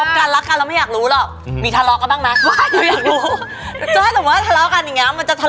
ใช่ครับประดิษฐ์